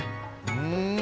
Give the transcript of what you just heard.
うん！